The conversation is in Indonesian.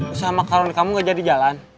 usaha makaroni kamu gak jadi jalan